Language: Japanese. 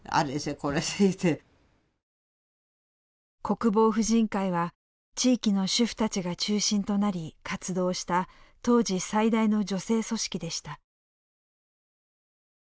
国防婦人会は地域の主婦たちが中心となり活動した当時最大の女性組織でした。